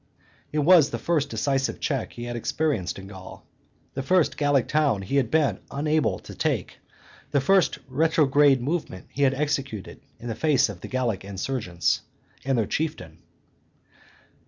It was the first decisive check he had experienced in Gaul, the first Gallic town he had been unable to take, the first retrograde movement he had executed in the face of the Gallic insurgents and their chieftain.